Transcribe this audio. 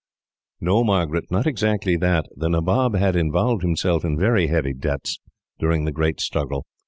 "No, Margaret, not exactly that. The Nabob had involved himself in very heavy debts, during the great struggle.